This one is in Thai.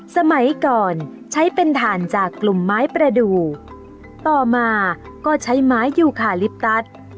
สมัยก่อนใช้เป็นถ่านจากกลุ่มไม้ประดูกต่อมาก็ใช้ไม้ยูคาลิปตัส